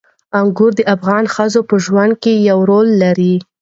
انګور د افغان ښځو په ژوند کې یو رول لري.